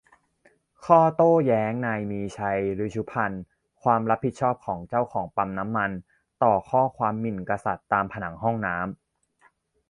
ข้อโต้แย้งนายมีชัย ฤชุพันธุ์ : ความรับผิดของเจ้าของปั๊มน้ำมัน ต่อข้อความหมิ่นกษัตริย์ตามผนังห้องน้ำ